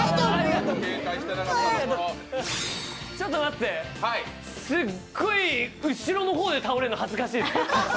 ちょっと待って、すっごい後ろの方で倒れるの恥ずかしいです。